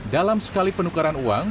dalam sekali penukaran uang